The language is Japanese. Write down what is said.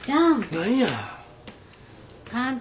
何や？